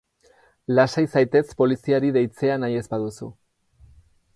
Lasai zaitez poliziari deitzea nahi ez baduzu.